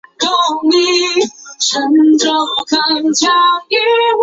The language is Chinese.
柳橙大战是义大利最大的食物大战。